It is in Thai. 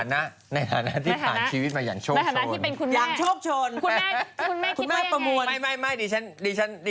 ในฐานะที่ผ่านชีวิตมาอย่างโชค